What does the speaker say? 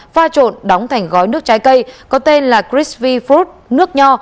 pha trộn đóng thành gói nước trái cây có tên là crispy fruit nước nho